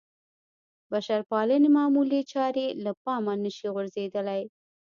بشرپالنې معمولې چارې له پامه نه شي غورځېدلی.